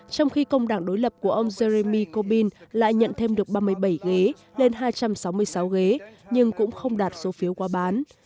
trong khi công đảng đối lập của ông jeremy corbyn lại nhận thêm được ba mươi bảy ghế lên hai trăm sáu mươi sáu ghế nhưng cũng không đạt số phiếu qua bán